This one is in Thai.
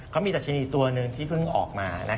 เขามีดัชนีตัวหนึ่งที่เพิ่งออกมา